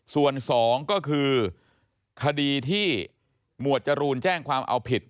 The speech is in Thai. ส่วนสองก็คือคดีที่หมวดจรูนแจ้งความเอาผิด